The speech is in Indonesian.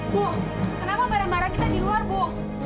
bu kenapa bara bara kita di luar bu